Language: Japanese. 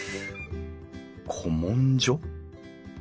古文書？